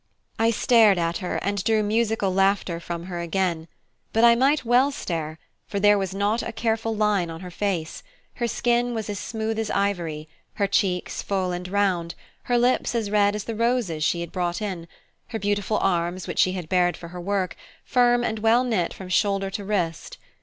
I stared at her, and drew musical laughter from her again; but I might well stare, for there was not a careful line on her face; her skin was as smooth as ivory, her cheeks full and round, her lips as red as the roses she had brought in; her beautiful arms, which she had bared for her work, firm and well knit from shoulder to wrist.